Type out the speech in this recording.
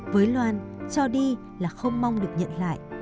với loan cho đi là không mong được nhận lại